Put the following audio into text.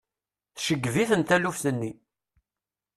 Tceggeb-iten taluft-nni.